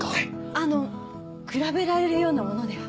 あの比べられるようなものでは。